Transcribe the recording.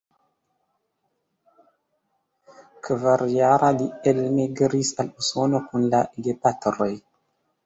Kvarjara, li elmigris al Usono kun la gepatroj.